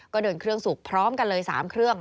ก็เดินเครื่องสุกพร้อมกันเลย๓เครื่อง